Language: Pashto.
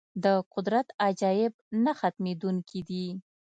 د قدرت عجایب نه ختمېدونکي دي.